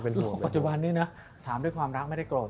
ปัจจุบันนี้นะถามด้วยความรักไม่ได้โกรธ